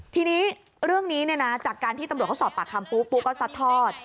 ทีนี้เรื่องนี้จากการที่ตำรวจเขาสอบปากคำปุ๊บ็ซัดทอด